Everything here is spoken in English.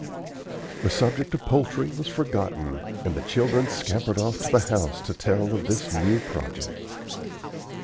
The subject of poultry was forgotten; and the children scampered off to the house to tell of this new project.